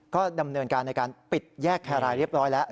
ก็ดำเนินการในการปิดแยกแครรายเรียบร้อยแล้ว